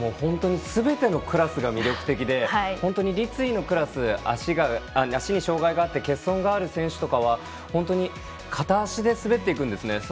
すべてのクラスが魅力的で本当に立位のクラス足に障がいがあって欠損がある選手とかは片足で滑っていくんですね。